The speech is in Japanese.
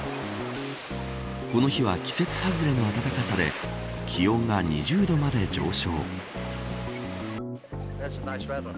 この日は季節外れの暖かさで気温が２０度まで上昇。